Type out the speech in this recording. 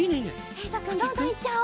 えいとくんどんどんいっちゃおう。